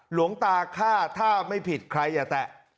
หลวงตาฆ่าถ้าไม่ผิดใครอย่าแตะ